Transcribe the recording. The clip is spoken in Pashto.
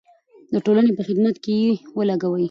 د ټولنې په خدمت کې یې ولګوئ.